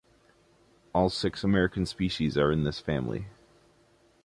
All six American species are in this family.